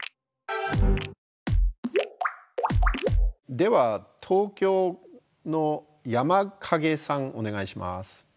では東京のヤマカゲさんお願いします。